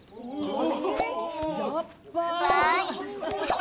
お？